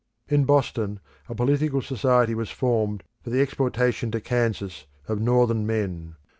In Boston a political society was formed for the exportation to Kansas of Northern men.